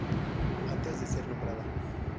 Antes de ser nombrada.